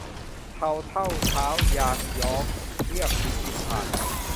เทาเท่าเท้ายางหย้อง เลียบลิ้มริมธาร